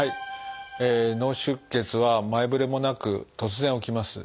脳出血は前触れもなく突然起きます。